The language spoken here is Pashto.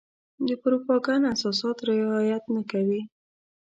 د پروپاګنډ اساسات رعايت نه کوي.